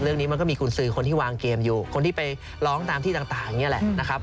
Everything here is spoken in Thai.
มันก็มีกุญสือคนที่วางเกมอยู่คนที่ไปร้องตามที่ต่างอย่างนี้แหละนะครับ